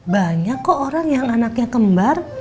banyak kok orang yang anaknya kembar